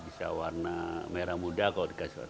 bisa warna merah muda